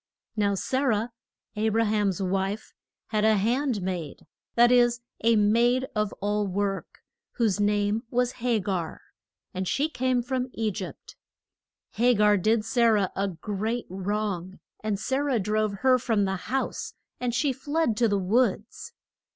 Now Sa rah A bra ham's wife, had a hand maid that is, a maid of all work whose name was Ha gar; and she came from E gypt. Ha gar did Sa rah a great wrong, and Sa rah drove her from the house, and she fled to the woods.